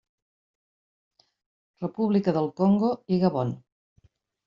República del Congo i Gabon.